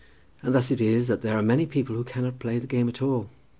And thus it is that there are many people who cannot play the game at all.